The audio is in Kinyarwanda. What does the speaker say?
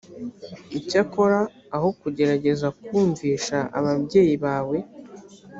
icyakora aho kugerageza kumvisha ababyeyi bawe